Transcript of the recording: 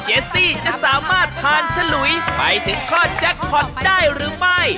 สซี่จะสามารถผ่านฉลุยไปถึงข้อแจ็คพอร์ตได้หรือไม่